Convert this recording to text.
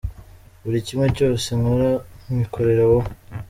Buri kimwe cyose nkora nkikorera wowe.